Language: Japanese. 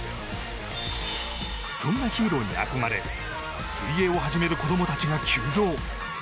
そんなヒーローに憧れ水泳を始める子供たちが急増。